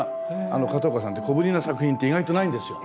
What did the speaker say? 片岡さんって小ぶりな作品って意外とないんですよ。